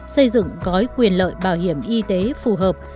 xây dựng gói quyền lợi bảo hiểm y tế phù hợp